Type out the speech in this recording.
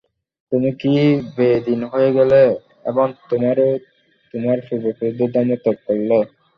তুমিও কি বেদ্বীন হয়ে গেলে এবং তোমার ও তোমার পূর্বপুরুষদের ধর্ম ত্যাগ করলে?